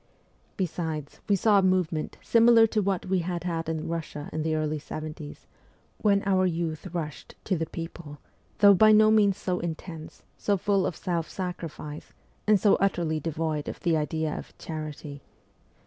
Besides, we saw a movement, similar to what we had had in Russia in the early seventies, when our youth rushed ' to the people,' though by no means so intense, so full of self sacrifice, and so utterly devoid of the idea of ' charity.'